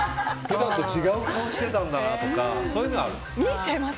普段と違う顔してたんだなとかそういうのはある。